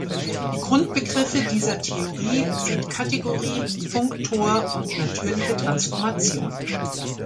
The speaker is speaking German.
Die Grundbegriffe dieser Theorie sind Kategorie, Funktor und natürliche Transformation.